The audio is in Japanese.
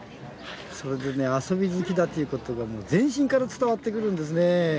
それで遊び好きだということが全身から伝わってくるんですよね。